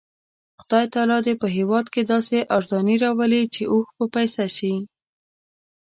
خدای تعالی دې په هېواد کې داسې ارزاني راولي چې اوښ په پیسه شي.